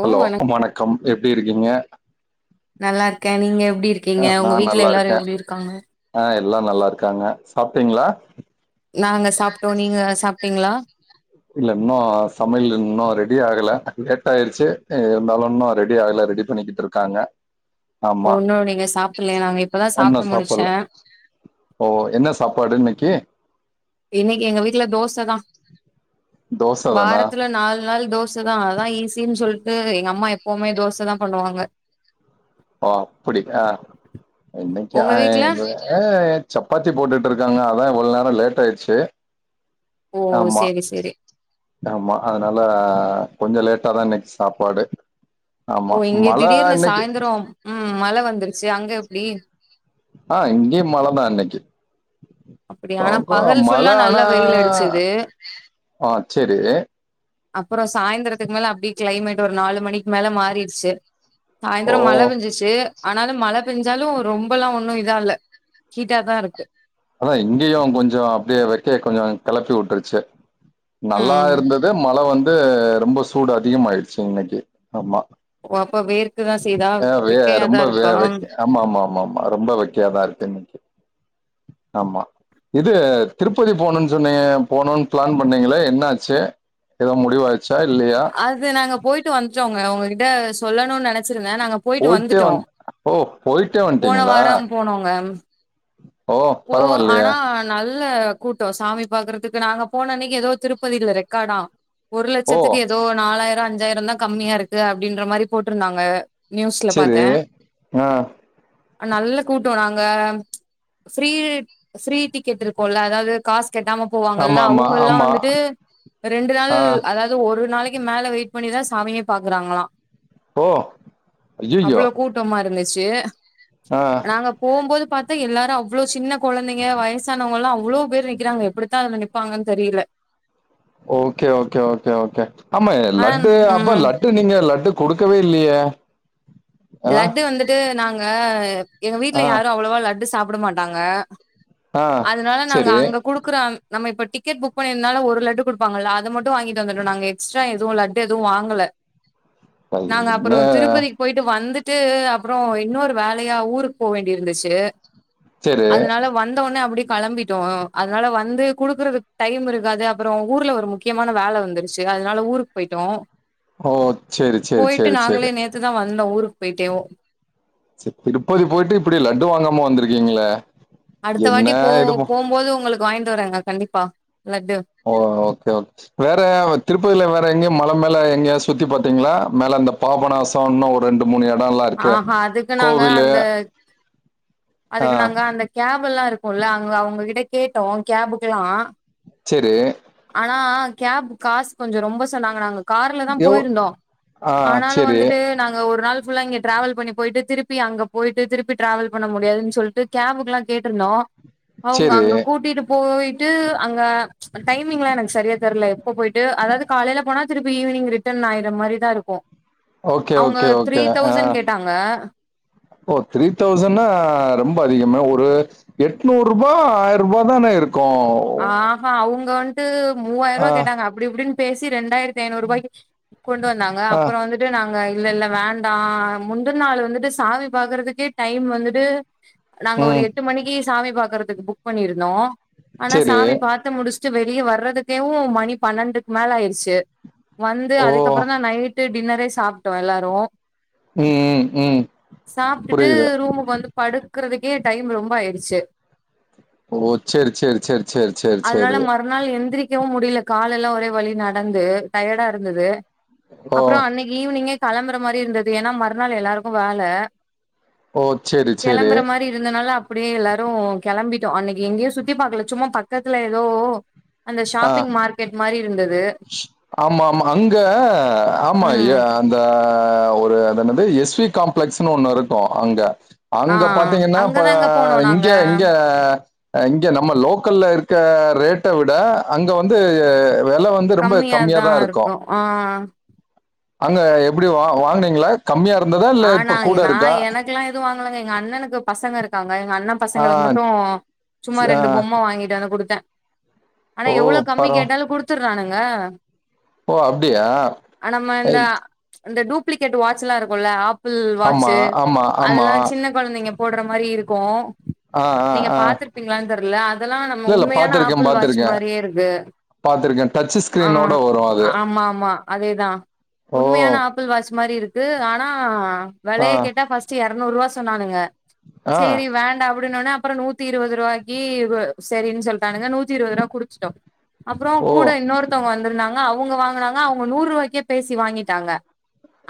ஓ hello வணக் வணக்கம் எப்டி இருக்கீங்க நல்லா இருக்கே நீங்க எப்டி இருக்கீங்க நா உங்க வீட்ல நல்லா எல்லாரு இருக்கே எப்டி இருக்காங்க ஆ எல்லா நல்லா இருக்காங்க சாப்ட்டீங்களா நாங்க சாப்ட்டோ நீங்க சாப்ட்டீங்களா இல்ல இன்னு சமையல் இன்னு ரெடி ஆகல லேட் ஆயிருச்சு இருந்தாலு இன்னு ரெடி ஆகல ரெடி பண்ணிக்கிட்டு இருக்காங்க ஒ ஆமா இன்னு நீங்க சாப்டலயா நாங்க இப்பதா இன்னு சாப்ட்டு முடிச்சே சாப்பல்ல ஓ என்ன சாப்பாடு இன்னைக்கு இன்னைக்கு எங்க வீட்ல தோசை தா தோச தானா வாரத்துல நாலு நாள் தோசை தா அதா ஈசினு சொல் எங்க அம்மா எப்பவுமே தோசை தா பண்ணுவாங்க ஓ அப்படி ஆ இன்னைக்கு உங்க ஆ வீட்ல ஏ சப்பாத்தி போட்டுட்ருக்காங்க அதா இவ்வளவு நேர லேட் ஆயிடுச்சு ஓ ஆமா சேரி சேரி ஆமா அ அதனால கொஞ்ச லேட்டா தா இன்னைக்கு சாப்பாடு ஆமா ஓ இங்க மழ திடீர்னு இன்னைக்கு சாயந்தரோ ம் மழை வந்துருச்சு அங்க எப்டி ஆ இங்கயு மழதா இன்னைக்கு அப்டியா ஆனா அப்பா பகல் மழ ஃபுல்லா நல்லா ஆனா வெயில் அடிச்சது ஆ செரீ அப்புற சாய்ந்திரத்துக்கு மேல அப்படியே கிளைமேட் ஒரு நாலு மணிக்கு மேல மாறிடுச்சு ஓ சாயந்திர மழ பெஞ்சிச்சு ஆனாலு மழ பெஞ்சாலு ரொம்பெல்லா ஒண்ணு இதால்ல ஹீட்டாாதா இருக்கு அதா இங்கியு கொஞ்ச அப்படியே வைக்க கொஞ்ச கெளப்பி விட்டுருச்சு நல்லா ம் இருந்தது மழ வந்து ரொம்ப சூடு அதிகமாயிடுச்சு இன்னைக்கி ஆமா பாப்பா வேற் ஆ வே ரொம்ப வே வெக் ஆமா ஆமா ஆமா ஆமா ரொம்ப வெக்கயாதா இருக்கு இன்னைக்கி ஆமா இது திருப்பதி போனுன் சொன்னீங் போனோன்னு ப்ளான் பண்ணீங்களே என்னாச்சு ஏதோ முடிவா அது நாங்க போயிட்டு வந்ட்டோங்க உங்ககிட்ட சொல்லணுன்னு நனைச்ச வச்சிருந்தே நாங்க போயிட்டு போயிட்டே வந்துட்டோ வந் ஓ போயிட்டே போன வந்ட்டீங்களா வாரம் போனோங்க ஓ ஆனா நல்ல கூட்ட சாமி பாக்குறதுக்கு நாங்க போனன்னிக்கு ஏதோ திருப்பதில ரெக்கார்டா ஒரு ஓ லட்சத்துக்கு ஏதோ நாலாயிர அஞ்சாயிர தா கம்மியாருக்கு அப்டின்ற மாரி போட்ருந்தாங்க நியூஸ்ல செரி பாத்தே ஆ நல்ல கூட்டோ நாங்க ஃப்ரீ ஃப்ரீ டிக்கெட் இருக்குல்ல அதாவது காஸ் கெட்டாம போவாங்கல்ல ஆமா ஆமா அவுங்கல்லா ஆமா வந்துட்டு ரெண்டு நாள் ஆ அதாது ஒரு நாளைக் கு மேல வெயிட் பண்ணிதா சாமியே பாக்குறாங்களா ஓ ஐயையோ அவ்வளோ கூட்டமா இருந்துச் சு ஆ நாங்க போம்போது பாத்த எல்லாரு அவ் இவ்ளோ சின்ன கொழந்தைங்க வயசானவங்கல்லா அவ்ளோ பேர் நிக்கிறாங்க எப்டித்தா அதுல நிப்பாங்கன்னு தெரில ஓகே ஓகே ஓகே ஓகே ஆமா ஆனா லட்டு அப்ப ம் லட்டு நீங்க லட்டு குடுக்கவே இல்லியே லட்டு வந்துட்டு நாங்க எங்க வீட்ல ஆ யாரு அவ்ளவா லட்டு சாப்ட மாட்டாங்க ஆ அதனால நாங்க சரி அங்க குடுக்குற நம்ம இப்ப டிக்கெட் புக் பண்ணிருந்தால ஒரு லட்டு குடுப்பாங்கல்லா அத மட்டு வாங்கிட்டு வந்துட்டோ நாங்க எக்ஸ்ட்ரா எது லட்டு எது வாங்கல நாங்க என்ன அப்புறோ திருப்பதிக்கு போயிட் வந்துட்டு அப்புறோ இன்னொரு வேலையா ஊருக்கு போ வேண்டி இருந்துச்சு சரி அதனால வந்தவோனே அப்படி களம்பிட்டோம் அதனால வந்து குடுக்குறதுக்கு டைம் இருக்காது அப்பற ஊர்ல ஒரு முக்கியமான வேல வந்துருச்சு அதனால ஊருக்கு போயிட்டோ ஓ சரி சரி போயிட்டு சரி சரி நாங்களே நேத்து தா வந் தோ ஊருக்கு போயிட்டேவ் திருப்பதி போயிட்டு இப்டி லட்டு வாங்காம வந்திருக்கீங்களே அடுத்த என்ன வாட்டி போ இது ப- போகும்போது உங்களுக்கு வாங்கிட்டு வரங்க கண்டிப்பா லட்டு. ஓ ஓகே கே வேற திருப்பதியில வேற எங்கயு மல மேல ங்க சுத்தி பாத்தீங்களா மேல இந்த பாபநாசம் இன்ன ஒரு ரெண்டு மூணு எடல்லா இருக்கே ஆஹா அதுக்கு நாங்க கோவில்லு அந்த அதுக்கு நாங்க அந்த கேபெல்லா இருக்கோல்ல அங்க அவங்ககிட்ட கேட்டோ கேபுக்குல்லா சேரி ஆனா கேப் காசு கொஞ்சம் ரொம்ப சொன்னாங்க நாங்க கார்ல தான் எவ் போயிருந்தோம் ஆ ஆனாலும் செரி வந்துட்டு நாங்க ஒரு நாள் ஃபுல்லா இங்க டிராவல் பண்ணி போயிட்டு திருப்பி அங்க போயிட்டு திருப்பி டிராவல் பண்ண முடியாதுன்னு சொல்ட்டு கேபுக்குல்லாம் கேட்ருந்தோம் அவுங்க செரி அங்க கூட்டிட்டு போயிட்டு அங்க ச் டைமிங்லாம் எனக்கு சரியா தெரில எப்ப போயிட்டு அதாது காலைல போனா திருப்பி ஈவினிங் ரிட்டன் ஆய்யிற மாரிதான் இருக்கும் ஓகே அவுங்க ஓகே த்ரீ ஓகே ஆ தௌசண்ட் கேட்டாங்க ஓ த்ரீ தௌசண்ணா ரொம்ப அதிகமே ஒரு எட்நூறுபா ஆய்ரூபா தானே இருக்கு ஆ ஹா அவுங்க வன்ட்டு மூவாயிரூபா ஆ கேட்டாங்க அப்டி இப்டின்னு பேசி ரெண்டாயிரத் த்தி ஐநூரூபாய்க்கு கொண்டு வந்தாங்க ஆ அப்பறம் வந்துட்டு நாங்க இல்ல இல்ல வேண்டாம் முந்துன நாள் வந்துட்டு சாமி பாக்குறதுக்கே டைம் வந்துட்டு நாங்க ஒரு ம் எட்டு மணிக்கு சாமி பாக்குறதுக்கு புக் பண்ணிருந்தோம் ஆனா செரி சாமி பாத்து முடிச்சு டிச்சி வெளியே வர்றதுக்கேவும் மணி பன்னெண்டுக்கு மேல ஆயிருச்சு வந்து ஓ அதுக்கப்புறம் தான் நைட் டின்னரே சாப்ட்டோம் எல்லாரும் ம் ம் ம் சாப்ட்டுட்டு புரியுது ரூமுக்கு வந்து படுக்குறதுக்கே டைம் ரொம்ப ஆயிடுச்சு ஓ சேரி சேரி சேரி சேரி சேரி சேரி நிக்கவும் முடியல கால் எல்லாம் ஒரே வழி நடந்து டயர்டா இருந்தது ஓ அப்புறம் அன்னைக்கு ஈவினிங்கே கிளம்புற மாதிரி இருந்தது ஏன்னா மறுநாள் எல்லாருக்கும் வேலை ஓ செரி செரி கிளம்புற மாதிரி இருந்தனால அப் அப்டியே எல்லாரும் கிளம்பிட்டோம் அன்னைக்கு எங்கேயும் சுத்தி பாக்கல சும்மா பக்கத்துல ஏதோ அந்த ஆ ஷாப்பிங் மார்க்கெட் மாரி இருந்தது ஆமா ஆமா அங்க ஆமா ம் அந்த ஆஹ் ஒரு அது என்னது எஸ் வி காம்ப்ளெக்ஸ்ன்னு ஒண்ணு இருக்கும் அங்க ஆ அங்க பாத்தீங்கன்னா அப்ப அங்கதாங்க போனோ நாங்க இங்க இங்க இங்க நம்ம லோக்கல்ல இருக்க ரேட்ட விட அங்க வந்து வெல வந்து ரொம்ப கம்மியா தா கம்மியாதான் இருக்கு இருக்கும் ஆஹ் அங்க எப்டி வா வாங்குனீங்களா கம்மியா இருந்ததா இல்ல ஆனா இப்ப கூட நா இருக்கா எனக்கு எல்லாம் எதுவும் வாங்கலங்க எங்க அண்ணனுக்கு பசங்க இருக்கு எங்க அண்ணா ஆ பசங்களுக்கு மட்டும் சும்மா சி- ஆ ரெண்டு பொம்ம வாங்கிட்டு வந்து குடுத்தேன் ஆனா ஓ எவ்ளோ கம்மி பரவா கேட்டாலும் குடுத்துடுறானுங்க ஓ அப்படியா இந்த இந்த டூப்ளிகேட் வாட்சி எல்லாம் இருக்கும் இல்ல ஆப்பிள் ஆமா வாட்சு ஆமா ஆமா அதெல்லாம் சின்ன குழந்தைங்க போடுற மாரி இருக்கும் ஆ ஆ நீங்க ஆ பாத்துருப்பீங்களான்னு தெரியல அதெல்லாம் நம்ம இல்ல இல்ல உண்மையான பாத்திருக்கே ஆப்பிள் வாட்ச் பாத்திருக்கே மாதிரியே இருக்கு பாத்திருக்கே டச் ஸ்கிரீனோட ஆஹ் வரு அது ஆமா ஆமா அதேதான் ஓ உண்மையான ஆப்பிள் வாட்சு மாதிரி இருக்கு க்கு ஆனா ஆ விலைய கேட்டா ஃபர்ஸ்ட் இறநூறு ரூபா சொன்னானுங்க ஆ சேரி வேண்டாம் அப்படின்னனே அப்புறம் நூத்தி இருபது ரூபாக்கி சரின்னு சொல்லிட்டானுங்க நூத்தி இருபது ரூபா குடுத்துட்டோம் அப்புறம் ஓ கூட இன்னொருத்தவங்க வந்திருந்தாங்க அவுங்க வாங்கினாங்க அவுங்க நூறு ரூபாய்க்கே பேசி வாங்கிட்டாங்க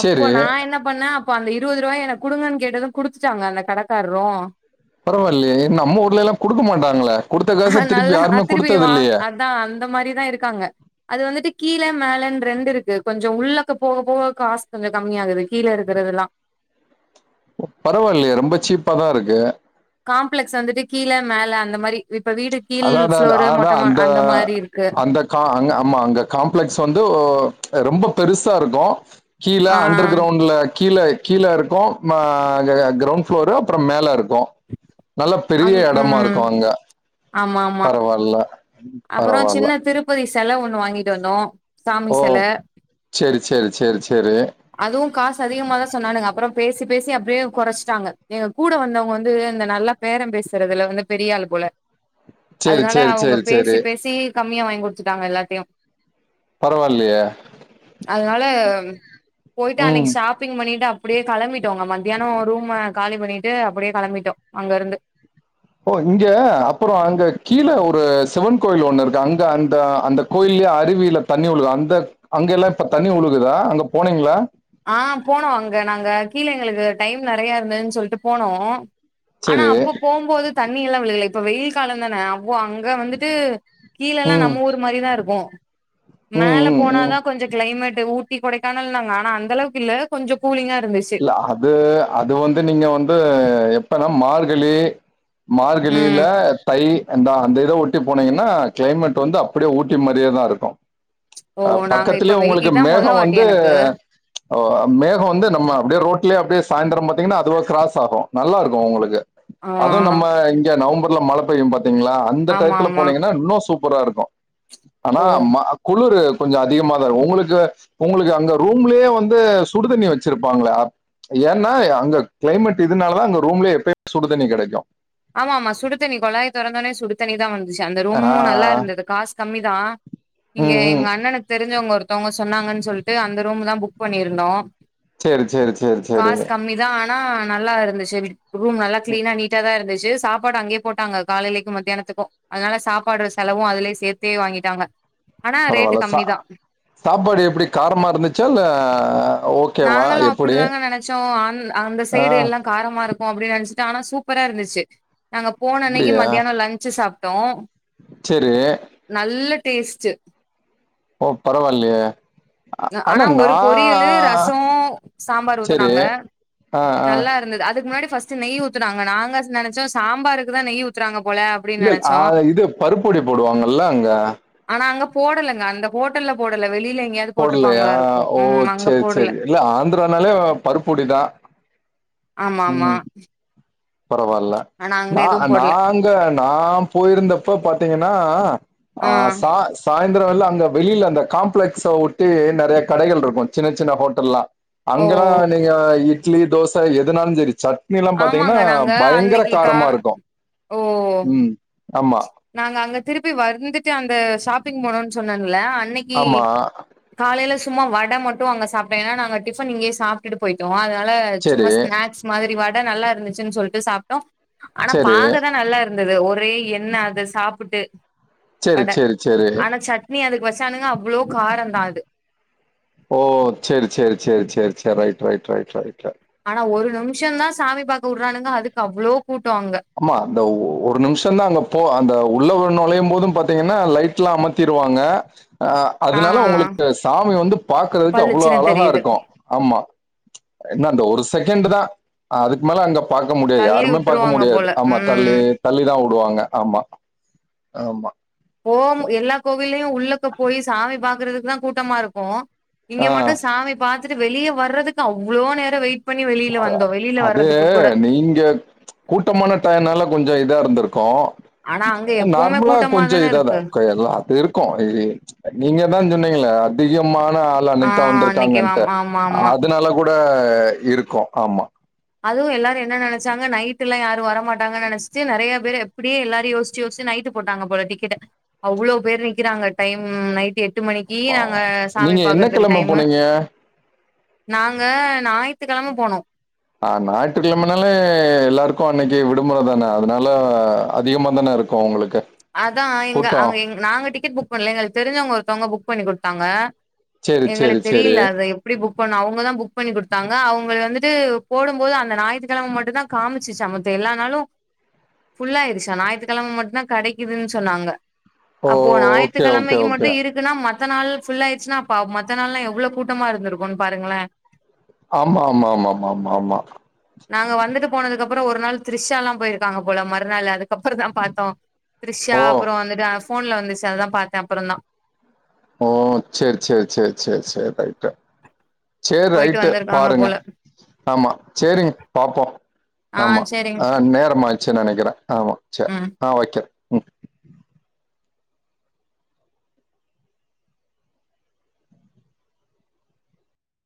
அப்போ சேரி நா என்ன நா அப்ப அந்த இருபது ரூபாய எனக்கு குடுங்கன்னு கேட்டதும் குடுத்துட்டாங்க அந்த கடக்காரரும் பரவாயில்லையே நம்ம ஊர்ல எல்லாம் குடுக்க மாட்டாங்களே குடுத்த அ காச திருப்பி நல்லா யாருமே திருப்பிய குடுத்தது வாங் இல்லையே அதான் அந்த மாதிரிதான் இருக்காங்க அது வந்துட்டு கீழ மேலன்னு ரெண்டு இருக்கு கொஞ்சம் உள்ளக்க போக போக காஸ் கொஞ்சம் கம்மி ஆகுது கீழ இருக்கிறது எல்லாம் பரவாயில்லையே ரொம்ப சீப்பாதான் இருக்கு காம்ப்ளெக்ஸ் வந்துட்டு கீழ மேல அந்த மாதிரி அதான் அதான் அதான் அதான் அந்த மாரி இருக்கு அந்த கா அ ஆமா அங்க காம்ப்ளெக்ஸ் வந்து ஓ ரொம்ப பெருசா இருக்கும் கீழ ஆ அண்டர் கிரவுண்ட்ல கீழே கீழே இருக்கு மா க கிரௌண்ட் ப்ளோரு அப்புறோ மேல இருக்கு நல்லா பெரிய அங் எடமா இருக்கு ம் அங்க பரவால்ல அப்புறோ பரவால்ல சின்ன திருப்பதி செல ஒண்ணு வாங்கிட்டு வந்தோ சாமி ஓ செல சேரி சேரி சேரி சேரி அதுவு காசு அதிகமாதா சொன்னானுக அப்புறோ பேசிப் பேசி அப்டியே கொறைச்சிட்டாங்க எங்க கூட வந்தவங்க வந்து இந்த நல்லா பேரம் பேசுறதுல வந்து பெரிய அள்ளுப்போல செரி செரி செரி பேசிப் பேசி கம்மியா வாங்கி குடுத்துட்டாங்க எல்லாத்தையு பரவாயில்லையே அதனால போயிட்டு ம் அன்னைக்கு ஷாப்பிங் பண்ணிட்டு அப் அப்டியே கெளம்பிட்டோ அங்க மத்தியானோ ரூம்ம காலி பண்ணிட்டு அப்டியே கெளம்பிட்டோ அங்க இருந்து ஓ இங்க அப்புறோ அங்க கீழே ஒரு சிவன் கோயில் ஒண்ணு இருக்கு அங்க அந்த அந்த கோயில் லே அருவியில தண்ணி உழுகு அந்த அங்கெல்லா இப்ப தண்ணி உழுகுதா அங்க போனீங்களா ஆ போனோ அங்க நாங்க கீழே எங்களுக்கு டைம் நெறைய இருந்தன்னு சொல்ட்டு போனோ ஆனா சேரி அப்ப போம்போது தண்ணி எல்லா விழுகல இப்ப வெயில் கால தானே அப்ப அங்க வந்துட்டு கீழல்லா ம் நம்ம ஊர் மாறி தா இருக்கு ம் மேல ம் ம் போனாதா கொஞ்சோ கிளைமேட் ஊட் ட்டி கொடைக்கானல்னாங்க ஆனா அந்த அளவுக்கு இல்ல கொஞ்சோ கூலிங்கா இருந்துச்சு இல்ல அது அது வந்து நீங்க வந்து எப்பனா மார்கழி மார்கழில ம் தை அந்த அந்த இத ஒட்டி போனீங்கன்னா க்ளைமேட் வந்து அப்டே ஊட்டி மாறியே க்தா இருக்கு ஓ அ நாங்க இப்ப பக்கத்துலே வெய் உங்களுக்கு இதா மொத மேகோ வாட்டி வந்து எனக்கு அ மேகோ வந்து நம்ம அப்படியே ரோட்லயே அப்டே சாயந்தரோ பாத்தீங்கன்னா அதுவா க்ராஸ் ஆகு நல்லா இருக்கு உங்களுக்கு ஆ அதுவு நம்ம இங்க நவம்பர்ல மழ பெய்யு பாத்திங்களா அந்த ஆமா டயத்துல ஆமா போனீங்கன்னா இன்னு சூப் ப்பரா இருக்கு ஆனா ஓ ம குளுரு கொஞ்சோ அதிகமாக தா இரு உங்களுக்கு உங்களுக்கு அங்க ரூம்லேயே வந்து சுடுதண்ணி வச்சிருப்ப பாங்களே ஏன்னா அங்க கிளைமேட் இதுனால தா அங்க ரூம்லயே எப்பயு சுடுதண்ணி கெடைக்கு ஆமா ஆமா சுடுதண்ணி கொழாய தொறந்தோனே சுடுதண்ணி தா வந்து ச்சி அந்த ரூமு நல்லா ஆஹ் இருந்தது காசு கம்மி தா இங்க உம் எங்க உம் அண்ணனுக்கு தெரிஞ்சவங்க ஒரு த்தவங்க சொன்னாங்கன்னு சொல்லிட்டு அந்த ரூம் தா புக் பண்ணிருந்தோ சேரி சேரி சேரி சேரி நா நல்லா இருந்துச்சு ரூம் நல்லா கிளீனா நீட்டா தா இருந்துச் ச்சு சாப்பாடு அங்கேயே போட்டாங்க காலைலிக்கு மத்தியானத்துக்கு அதனால சாப்பாடு ஒரு செலவு அதுலயே சேத்தே வாங்கிட்டாங்க ஆனா ரேட்டு பரவால்ல சா கம்மி தா சாப்பாடு எப்டி காரமா இருந்துச்சா இல்ல ஓ நாங்களு அப்புடி தாங்க நெனச்சோ அ அந்த ஆ சைடு எல்லா காரமா இருக்கு அப்டின்னு நென் ஆனா சூப்பரா இருந்துச்சு நாங்க போன அன்னைக்கு மத்தியானோ லஞ்ச் சாப்ட்டோ சேரி நல்ல டேஸ்ட் ஓ பரவால்லயே அ ஆனா நா சோ சாம்பார் செரி ஊத்தனாங்க ஆ ஆ நல்லா இருந்தது அதுக்கு முன்னாடி ஃபஸ் நெய் ஊத்துனாங்க நாங்க நெனச்சோ சாம்பாருக்குதா நெய் ஊத்துறாங்க போல அப்டின்னு இல்ல இல்ல, ஆ நெனச்சோ இது பருப்பொடி போடுவாங்கல்ல அங்க ஆனா அங்க போடலங்க அந்த ஹோட்டல்ல போடல வெளில எங்கேயாவது போடலையா போட்டுருப்பாங்களா இருக்கு ஓ ம் அங்க செரி போடல செரி இல்ல ஆந்திரானாலே பருப்பொடிதா ஆமா ஆமா பரவால்ல ஆனா அங்க நா எதுவு போடல நாங்க நா போயிருந்தப்ப பாத்தீங்கன்னா ஆ சா ச ந்தர வேல அங்க வெளில அந்த காம்ப்ளெக்ஸ் ஒட்டி நெறய கடைகள் இருக்கு சின்ன சின்ன ஹோட்டல்லா ஓ அங்கெல்லா நீங்க இட்லி தோச எதுனாலு சேரி சட்னி எல்லா பாத்தீங்கன்னா ஆமாங்க னா நாங்க பயங்கர அன்னைக்கு கா காரமா இருக்கு ஓ ம் ஆமா நாங்க அங்க திருப்பி வருந்துட்டு அந்த ஷாப்பிங் போனோன் சொன்ன ல அன்னக்கி ஆமா காலைல சும்மா வட மட் டு அங்க சாப்ட்ட ஏனா நாங்க டிஃபன் இங்கயே சாப்ட்டுட்டு போயிட்டோ அதனால செரி சும்மா ஸ்நாக்ஸ் மாரி வ நல்லா இருந்துச்சுன்னு சொல்ட்டு சாப்ட்டோ ஆனா செரி பாக்கதா நல்லா இருந்தது ஒரே எண் ண்ண அத சாப்ட்டு செரி வட செரி செரி ஆனா சட்னி அதுக்கு சன்னா அவ்ளோ காரந்தா அது ஓ சேரி சேரி சேரி சேரி சேரி ரைட் ரைட் ரைட் ரைட் ஆனா ஒரு நிம்ஷோந்தா சாமி பாக்க வுடுறானுங்க அதுக்கு அவ்ளோ கூட்டோ அங்க ஆமா அந்த ஒரு நிம்ஷொந்தா அங்க போ அந்த உள்ள ஒரு நொலயும்போது பாத்தீங்கன்னா லைட்லா அமத்திடுவாங்க அ ஆ அதனால உங்களுக்கு சாமி வந்து பாக்கறதுக்கு அவ்ளோ பளிச்சுன்னு அழகா தெரியுது இருக்கு ஆமா என்ன அந்த ஒரு செகண்ட்டுதா அதுக்கு மேல அங்க பாக்க முடியாது தள்ளி யாருமே பாக்க வுட்டுருவாங்க முடியாது போல ஆமா தள்ளி ம் தள்ளிதா வுடுவாங்க ஆமா ஆமா போம் எல்லா கோவில்லயு உள்ளக்கு போய் சாமி பாக்கறதுக்குதா கூட்டமா இருக்கு இங்க ஆ மட்டு சாமி பாத்துட்டு வெளிய வர்றதுக்கு அவ்ளோ நேரோ வெயி அது நீங்க கூட்டமான டயோனால கொஞ்சோ இதா இருந்திருக்கோ ஆனா அங்க எப்பவுமே நார்மலா கூட்டமா கொஞ்சோ தான இதாதா இருக்கு கொ எல்லா அது இருக்கு இ நீங்க தா சொன்னீங்களே அதிகமான ஆள் ஆ அன்னைக்குத்தான் அன்னைக்கு வந்திருக்காங்கன்ட்டு ஆமா ஆமா ஆமா அதனால கூட எ இருக்கு ஆமா அதுவு எல்லாரு என்ன நெனச்சாங்க நைட்யெல்லா யாரு வரமாட்டங்கன்னு நெனச்சுட்டு நெறயா பேர் எப்டியே எல்லாரு யோசிச்சி யோசிச்சி நைட் இது போட்டாங்க போல டிக்கெட் அவ்ளோ பேர் நிக்கிறாங்க டைம் நைட் எ ட்டு மணிக்கு நாங்க சாமி நீங்க என்ன பாக்கறதுக்கு கிழமை டைமு போனீங்க நாங்க ஞாயி்த்துக்கிழம போனோ அ ஞாயிற்றுக்கிழமைனாலே எல்லாருக்கு அன்னைக்கு விடுமுறைதானே அதனால அதிகமாதானே இருக்கு உங்களுக்கு அதா எங்க கூட்டம் அங்க நாங்க டிக்கெட் புக் பண்ணல எங்களுக்கு தெரிஞ்சவங்க ஒருத்தவங்க புக் பண்ணி குடுத்தாங்க சரி சரி எங்களுக்கு சரி தெரில அத எப்டி புக் பண்ணு அவுங்கதா புக் ட் பண்ணி குடுத்தாங்க அவுங்க வந்துட்டு போடும்போது அந்த ஞாயித்துக்கிழம மட்டுந்தா காமிச்சுச்சா மத்த எல்லனாலு ஃபுல்லா ஆயிருச்சா ஞாயித்துக்கிழம மட்டுந்தா கடை க்குது சொன்னாங்க ஓ அப்போ ஓகே ஓகே ஞாயித்துக்கிழமைக்கு ஓகே மட்டு இருக்குனா ம மத்த நாள் ஃபுல் ஆயிருச்சுனா அப்போ மத்த நாள்ல்லா எவ்ளோ கூட்டமா இருந்திருக்குன்னு பாருங்களேன் ஆமா மா மா மா மா மா நாங்க வந்துட்டு போனதுக்கப்பறோ ஒரு நாள் திரிஷா எல்லா போயிருக்காங்க போல மறுநாள் அதுக்கப்பறந்தா பாத்தோ த்ரிஷா ஓ அப்றோ வந்துட்டு ஃபோன்ல வந்துச்சு அதா பாத்தேன் அப்பறந்தா ஓ சேரி சேரி சேரி சேரி சேரி ரைட்டு சேர் போயிட்டு ரைட்டு வந்திருக்காங்க பாருங்க போல ஆமா சேரிங்க பாப்போ ஆ ஆமா சேரிங்க ஆ நேரமா ஆயிருச்சுனு நெனைக்கிறே ஆமா சேரி ம் ஆ வெக் ம்